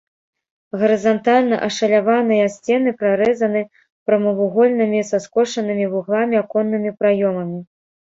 Гарызантальна ашаляваныя сцены прарэзаны прамавугольнымі са скошанымі вугламі аконнымі праёмамі.